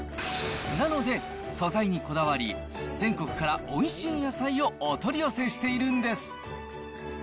なので、素材にこだわり、全国からおいしい野菜をお取り寄せしているんです。